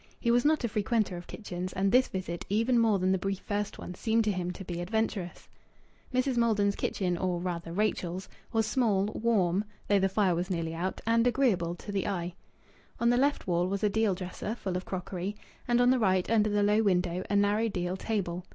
He was not a frequenter of kitchens, and this visit, even more than the brief first one, seemed to him to be adventurous. Mrs. Maldon's kitchen or rather Rachel's was small, warm (though the fire was nearly out), and agreeable to the eye. On the left wall was a deal dresser full of crockery, and on the right, under the low window, a narrow deal table.